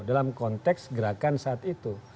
dalam konteks gerakan saat itu